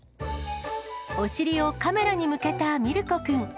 お尻をカメラに向けたミルコくん。